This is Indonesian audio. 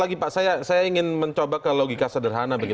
baik pak satu lagi saya ingin mencoba ke logika sederhana